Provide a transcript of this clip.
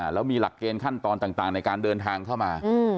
แล้วมีหลักเกณฑ์ขั้นตอนต่างในการเดินทางเข้ามา